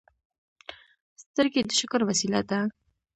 سترګې د شکر وسیله ده